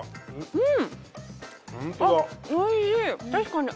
うん。